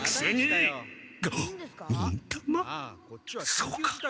そうか！